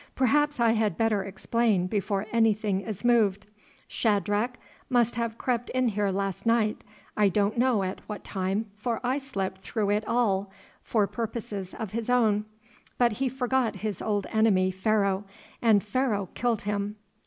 "Perhaps I had better explain before anything is moved. Shadrach must have crept in here last night—I don't know at what time, for I slept through it all—for purposes of his own. But he forgot his old enemy Pharaoh, and Pharaoh killed him.